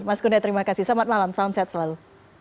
mas kuda terima kasih selamat malam salam sehat selalu